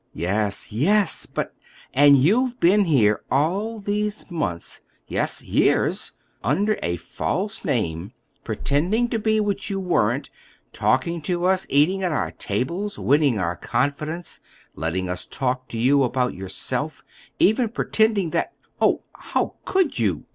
"Yes, yes! But—" "And you've been here all these months—yes, years—under a false name, pretending to be what you weren't—talking to us, eating at our tables, winning our confidence, letting us talk to you about yourself, even pretending that—Oh, how could you?"